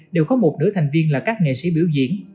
đều có một nữ thành viên là các nghệ sĩ biểu diễn